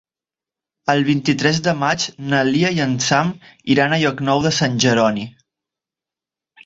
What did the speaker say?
El vint-i-tres de maig na Lia i en Sam iran a Llocnou de Sant Jeroni.